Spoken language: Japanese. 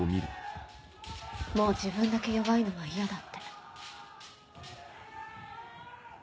「もう自分だけ弱いのは嫌だ」って。